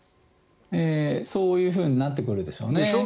そういうふうになってくるでしょうね。